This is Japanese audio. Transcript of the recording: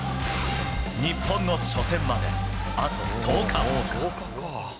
日本の初戦まであと１０日。